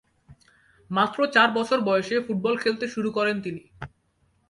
মাত্র চার বছর বয়সে ফুটবল খেলতে শুরু করেন তিনি।